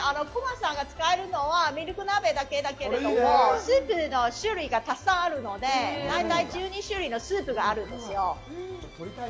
クマさんが使えるのはミルク鍋だけですけれども、スープの種類がたくさんあるので、大体１２種類のスープがあるんですよ。